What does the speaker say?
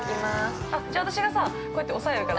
◆じゃあ私がさ、横こうやって押さえるから。